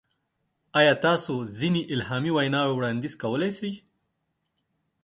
ایا تاسو ځینې الهامي وینا وړاندیز کولی شئ؟